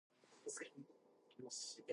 Glassbrenner was born in Berlin.